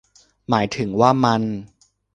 หมายถึงว่า มัน